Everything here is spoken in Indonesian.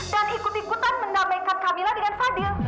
dan ikut ikutan mengamalkan kamila dengan fadil